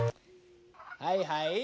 はいはい。